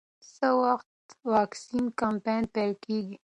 څه وخت واکسین کمپاین پیل کېږي؟